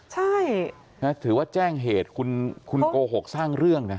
ใช่ถือว่าแจ้งเหตุคุณโกหกสร้างเรื่องนะ